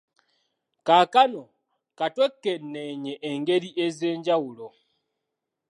Kaakano ka twekeneenye engeri ez’enjawulo